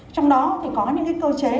trong đó thì có những cái cơ chế